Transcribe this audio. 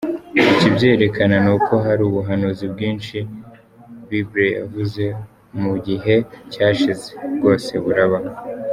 Ikibyerekana nuko hari ubuhanuzi bwinshi Bible yavuze mu gihe cyashize, bwose buraba.